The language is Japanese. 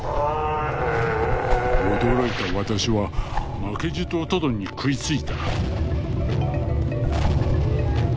「驚いた私は負けじとトドに食いついた」。